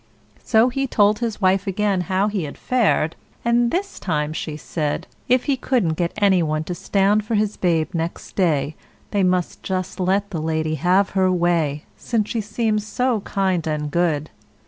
So he told his wife again how he had fared, and this time she said, if he couldn't get any one to stand for his babe next day, they must just let the lady have her way, since she seemed so kind and good.